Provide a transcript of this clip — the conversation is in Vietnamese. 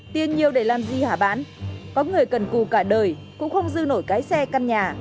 tiền nhiều để làm gì hả bán có người cần cù cả đời cũng không dư nổi cái xe căn nhà